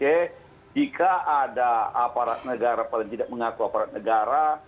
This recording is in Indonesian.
jika ada aparat negara apalagi tidak mengaku aparat negara